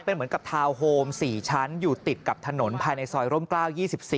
เป็นเหมือนกับทาวน์โฮม๔ชั้นอยู่ติดกับถนนภายในซอยร่มกล้าว๒๔